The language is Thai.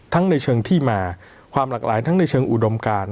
ในเชิงที่มาความหลากหลายทั้งในเชิงอุดมการ